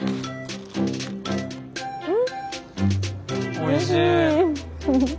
おいしい！